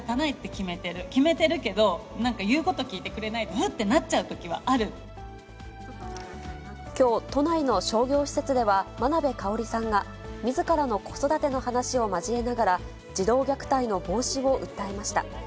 決めてるけど、なんか言うこと聞いてくれないと、きょう、都内の商業施設では、眞鍋かをりさんがみずからの子育ての話を交えながら、児童虐待の防止を訴えました。